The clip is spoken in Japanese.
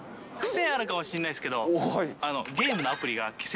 癖あるかもしれないですけど、あー！